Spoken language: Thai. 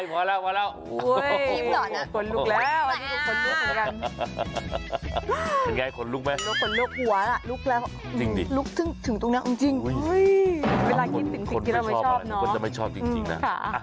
เวลาคิดถึงสิ่งที่เราไม่ชอบนะ